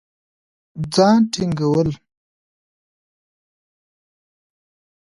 ځان ټينګول